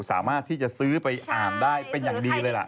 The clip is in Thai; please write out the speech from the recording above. สามารถที่จะซื้อไปอ่านได้เป็นอย่างดีเลยล่ะ